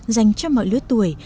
dành cho mọi lứa tuổi